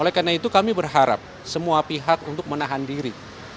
oleh karena itu kami berharap semua pihak untuk menahan diri